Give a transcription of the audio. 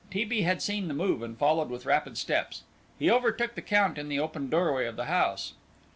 T. B. had seen the move and followed with rapid steps. He overtook the Count in the open doorway of the house.